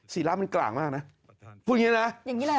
สีระมันกลางมากนะพูดอย่างนี้แหละ